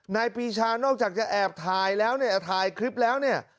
นายปีชานอกจากจะแอบถ่ายแล้วเนี่ยถ่ายคลิปแล้วเนี่ย